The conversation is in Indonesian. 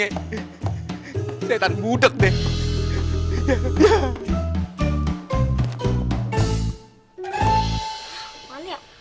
ini setan budak deh